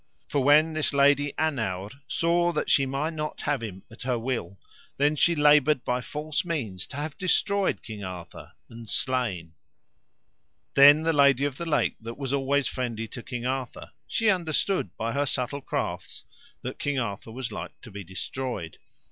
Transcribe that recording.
For when this Lady Annowre saw that she might not have him at her will, then she laboured by false means to have destroyed King Arthur, and slain. Then the Lady of the Lake that was alway friendly to King Arthur, she understood by her subtle crafts that King Arthur was like to be destroyed.